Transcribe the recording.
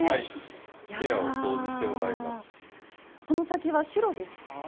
この先は棕櫚ですか？